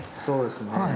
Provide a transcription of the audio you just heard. そうですね。